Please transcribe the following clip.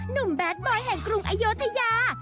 นุ่มแบสไมค์แห่งกรุงอโยธยา